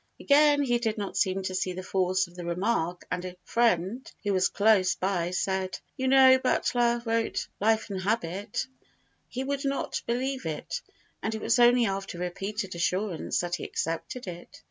Again he did not seem to see the force of the remark and a friend, who was close by, said: "You know, Butler wrote Life and Habit." He would not believe it, and it was only after repeated assurance that he accepted it.